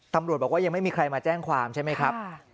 ตำรวจบอกว่ายังไม่มีใครมาแจ้งความใช่ไหมครับ